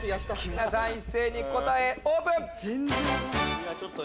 皆さん一斉に答えオープン！